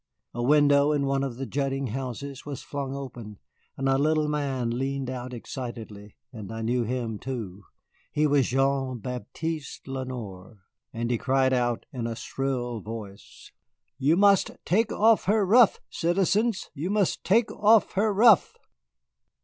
A window in one of the jutting houses was flung open, a little man leaned out excitedly, and I knew him too. He was Jean Baptiste Lenoir, and he cried out in a shrill voice: "You must take off her ruff, citizens. You must take off her ruff!"